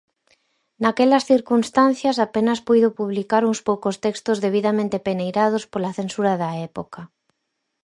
Naquelas circunstancias, apenas puido publicar uns poucos textos debidamente peneirados pola censura da época.